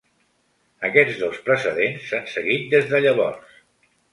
Aquests dos precedents s"han seguit des de llavors.